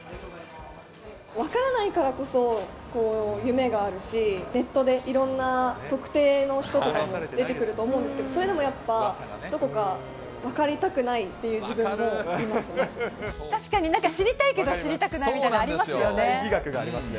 分からないからこそ、夢があるし、ネットでいろんな特定の人とかも出てくると思うんですけど、それでもやっぱ、どこか分かりたくないっていう自分もいますね。